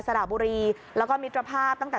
สระบุรีแล้วก็มิตรภาพตั้งแต่